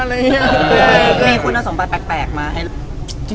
พี่คุณเอาส่งไปแปลกมาให้